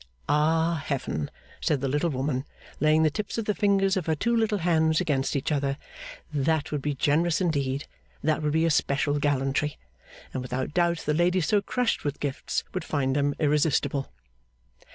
Ah Heaven! said the little woman, laying the tips of the fingers of her two little hands against each other, that would be generous indeed, that would be a special gallantry! And without doubt the lady so crushed with gifts would find them irresistible.